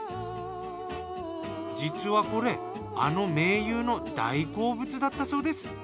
実はこれあの名優の大好物だったそうです。